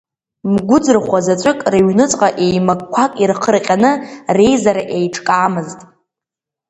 Мгәы-ӡырхәа заҵәык, рыҩныҵҟа еимакқәак ирхырҟьаны ре-изара еиҿкаамызт.